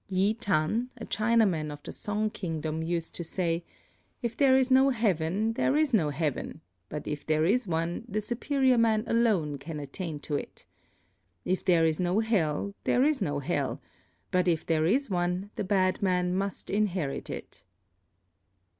Yi Tan, a Chinaman of the Song Kingdom, used to say, "If there is no heaven, there is no heaven, but if there is one, the Superior Man alone can attain to it. If there is no hell, there is no hell, but if there is one the bad man must inherit it."